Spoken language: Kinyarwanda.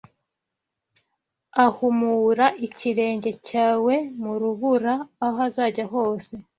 Ahumura ikirenge cyawe mu rubura Aho uzajya hose